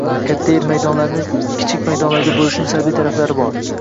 Katta yer maydonlarini kichik maydonlarga bo‘lishning salbiy taraflari bor